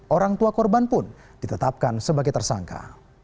orang tua korban pun ditetapkan sebagai tersangka